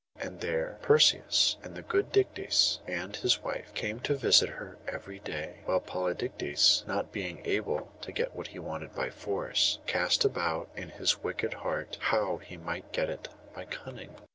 And there Perseus, and the good Dictys, and his wife, came to visit her every day; while Polydectes, not being able to get what he wanted by force, cast about in his wicked heart how he might get it by cunning.